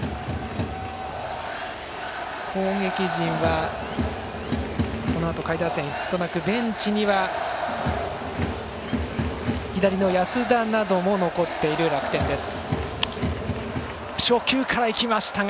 攻撃陣は、このあと下位打線にヒットなくベンチには左の安田なども残っている楽天です。